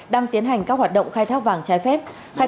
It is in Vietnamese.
đang tiến hành các hoạt động khai thác vàng trái phép